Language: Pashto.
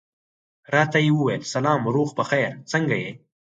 راته یې وویل سلام، روغ په خیر، څنګه یې؟